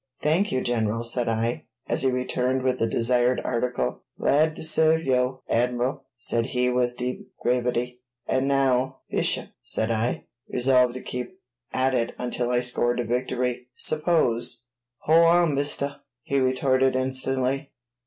"Thank you, General," said I, as he returned with the desired article. "Glad to serve yo', Admiral," said he with deep gravity. "And now, Bishop," said I, resolved to keep at it until I scored a victory, "suppose " "Hol' on, mistuh!" he retorted instantly.